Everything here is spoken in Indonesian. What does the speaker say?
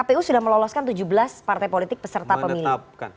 kpu sudah meloloskan tujuh belas partai politik peserta pemilu